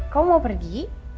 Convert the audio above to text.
kamu mau pergi